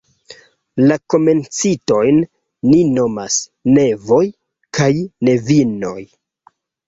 La komencintojn ni nomas "nevoj" kaj "nevinoj".